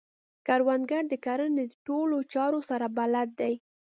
کروندګر د کرنې د ټولو چارو سره بلد دی